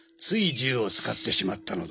銃を使ってしまったのだ。